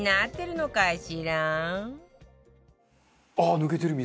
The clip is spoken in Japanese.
抜けてる水。